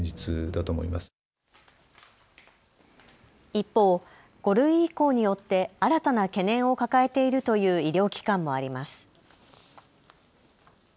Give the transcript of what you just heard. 一方、５類移行によって新たな懸念を抱えているという医療機関もあります。